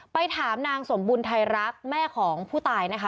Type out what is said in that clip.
ไปถามนางสมบุญไทยรักแม่ของผู้ตายนะคะ